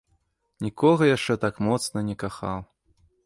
Нікога яшчэ так моцна не кахаў.